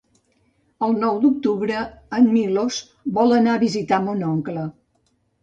El nou d'octubre en Milos vol anar a visitar mon oncle.